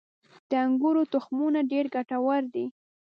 • د انګورو تخمونه ډېر ګټور دي.